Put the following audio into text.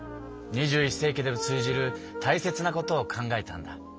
２１世紀でも通じるたいせつなことを考えたんだ。